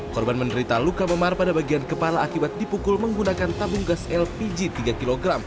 korban menderita luka memar pada bagian kepala akibat dipukul menggunakan tabung gas lpg tiga kg